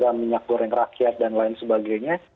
ada program minyak goreng rakyat dan lain sebagainya